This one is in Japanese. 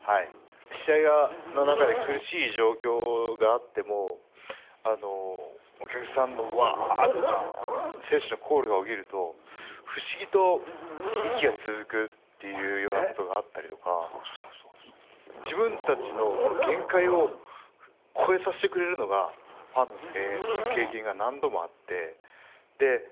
試合の中で苦しい状況があってもお客さんのわ！とか選手のコールが起きると不思議と息が続くっていうようなことがあったりとか自分たちの限界を超えさせてくれるのがファンの声援っていう経験が何度もあって。